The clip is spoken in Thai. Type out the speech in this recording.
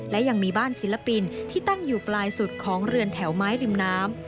และยังมีบ้านศิลปินที่ตั้งอยู่ปลายสุดของเรือนแถวไม้ริมน้ำ